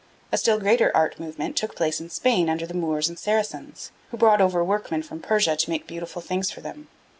A still greater art movement took place in Spain under the Moors and Saracens, who brought over workmen from Persia to make beautiful things for them.